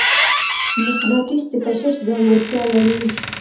مقناطیس د کشش ځانګړتیا لري.